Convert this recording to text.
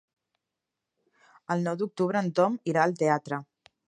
El nou d'octubre en Tom irà al teatre.